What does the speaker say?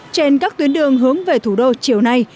trên các tuyến đường hướng về thủ đô chiều nay